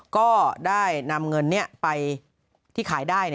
ก็ได้นำเงินนี้ไปที่ขายได้